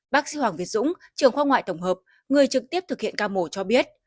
bác sĩ hoàng việt dũng trường khoa ngoại tổng hợp người trực tiếp thực hiện ca mổ cho biết